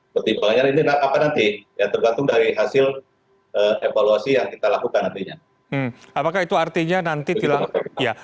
pertimbangannya ini apa nanti ya tergantung dari hasil evaluasi yang kita lakukan nantinya